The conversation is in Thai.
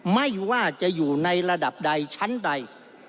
ไม่ว่าจะอยู่ในระดับใดชั้นใด